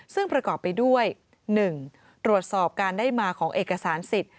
ซึ่งประกอบไปด้วย๑ตรวจสอบการได้มาของเอกสารสิทธิ์